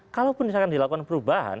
kalau misalkan dilakukan perubahan